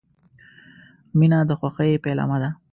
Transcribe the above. • مینه د خوښۍ پیلامه ده.